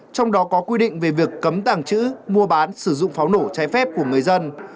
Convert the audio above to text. trong đó có quy định về việc cấm tàng trữ mua bán sử dụng pháo nổ trái phép của người dân